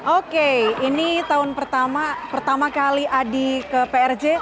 oke ini tahun pertama pertama kali adi ke prj